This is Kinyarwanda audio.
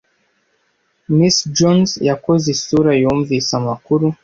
Miss Jones yakoze isura yumvise amakuru.